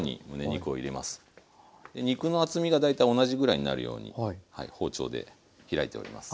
肉の厚みが大体同じぐらいになるように包丁で開いております。